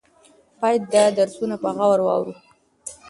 باید دا درسونه په غور واورو.